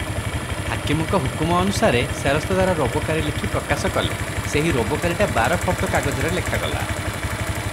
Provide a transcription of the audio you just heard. ହାକିମଙ୍କ ହୁକୁମ ଅନୁସାରେ ସେରସ୍ତଦାର ରୋବକାରୀ ଲେଖି ପ୍ରକାଶ କଲେ ସେହି ରୋବକାରୀଟା ବାରଫର୍ଦ୍ଧ କାଗଜରେ ଲେଖଗଲା ।